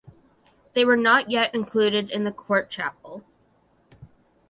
They were not yet included in the court chapel.